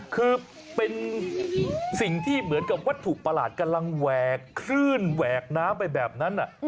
คือเป็นสิ่งที่เหมือนกับวัตถุประหลาดกำลังแหวกคลื่นแหวกน้ำไปแบบนั้น